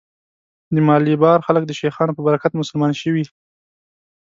د مالیبار خلک د شیخانو په برکت مسلمان شوي.